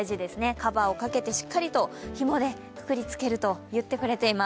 カバーをかけてしっかりとひもでくくりつけると言ってくれています。